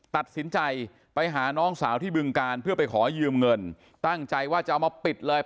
ตัดสินใจไปหาน้องสาวที่บึงการเพื่อไปขอยืมเงินตั้งใจว่าจะเอามาปิดเลย